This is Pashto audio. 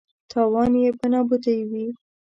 تاوان یې په نابودۍ وي.